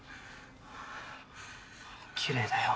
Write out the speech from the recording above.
きれいだよ。